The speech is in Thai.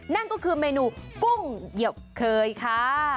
นั่นก็คือเมนูกุ้งเหยียบเคยค่ะ